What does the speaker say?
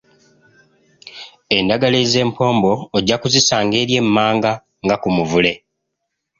Endagala ez'empombo ojja kuzisanga eri emmanga nga ku muvule.